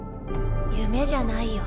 夢じゃないよ。